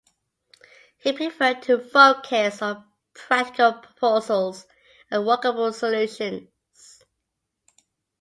He preferred to focus on practical proposals and workable solutions.